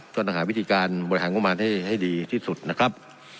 ต้องหาวิธีการบริหารงบประมาณให้ดีที่สุดนะครับ